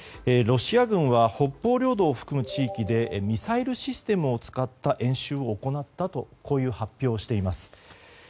ロシア軍は北方領土を含む地域でミサイルシステムを使った演習を行ったと発表しています。